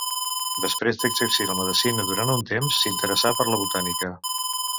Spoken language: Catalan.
Després d'exercir la medicina durant un temps s'interessà per la botànica.